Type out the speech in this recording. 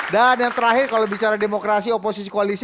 dan yang terakhir kalau bicara demokrasi oposisi koalisi